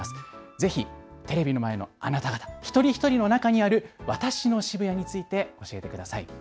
ぜひ、テレビの前のあなた方、一人一人の中にあるわたしの渋谷について教えてください。